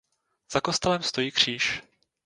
Za kostelem stojí kříž.